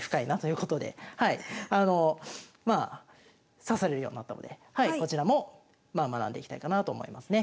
まあ指されるようになったのでこちらも学んでいきたいかなと思いますね。